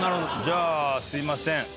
じゃあすいません。